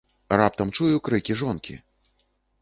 Раптам чую крыкі жонкі.